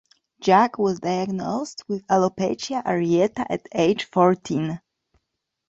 Jack was diagnosed with Alopecia areata at age fourteen.